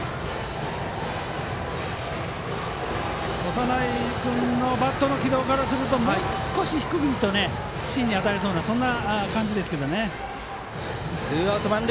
長内君のバットの軌道からするともう少し低くいくと芯に当たりそうな感じですね。